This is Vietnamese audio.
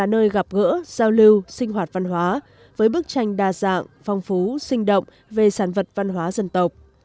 nơi gặp gỡ giao lưu sinh hoạt văn hóa với bức tranh đa dạng phong phú sinh động về sản vật văn hóa dân tộc